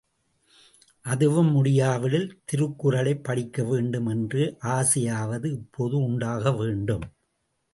அதுவும் முடியாவிடில், திருக்குறளைப் படிக்கவேண்டும் என்ற ஆசையாவது இப்போது உண்டாக வேண்டும்.